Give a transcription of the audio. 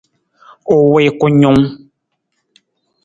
U wii kunung.